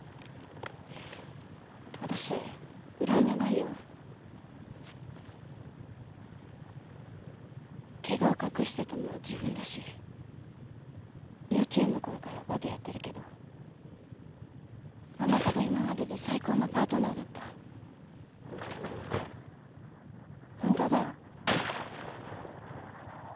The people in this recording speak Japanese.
私恨んでないよケガを隠してたのは自分だし幼稚園のころからバドやってるけどあなたが今までで最高のパートナーだった本当だよ